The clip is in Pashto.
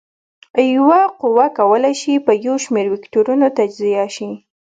یوه قوه کولی شي په یو شمېر وکتورونو تجزیه شي.